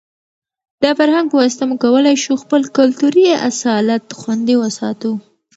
د فرهنګ په واسطه موږ کولای شو خپل کلتوري اصالت خوندي وساتو.